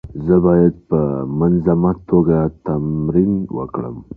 زه باید په منظمه توګه تمرین وکړم.